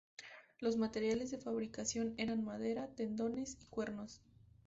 Los materiales de fabricación eran madera, tendones y cuernos.